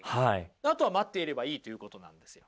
あとは待っていればいいということなんですよ。